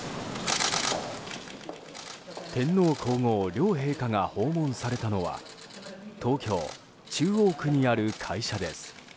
天皇・皇后両陛下が訪問されたのは東京・中央区にある会社です。